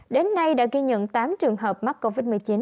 đến nay đã ghi nhận tám trường hợp mắc covid một mươi chín